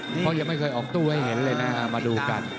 พี่บ๊อกกิ๊วไม่เคยออกตู้ให้เห็นเลยนะฮะมาดูกัน